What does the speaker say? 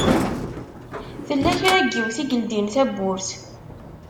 Tella kra n yiwet i yeldin tawwurt.